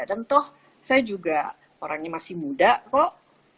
dan toh saya juga orangnya masih muda kok